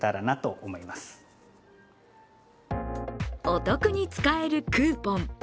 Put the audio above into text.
お得に使えるクーポン。